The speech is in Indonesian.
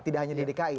tidak hanya ddki